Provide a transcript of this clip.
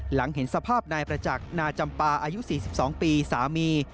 หลังเห็นสภาพนายประจักรนาจัมปาอายุสี่สิบสองปีสามี